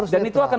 dan itu akan